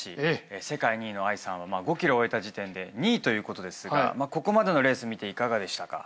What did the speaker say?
世界２位の藍さんは５ｋｍを終えた時点で２位ということですがここまでのレース見ていかがでしたか？